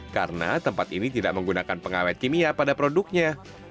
karena tempat ini tidak menggunakan pengawet kimia pada produknya